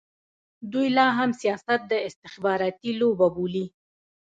دوی لا هم سیاست د استخباراتي لوبه بولي.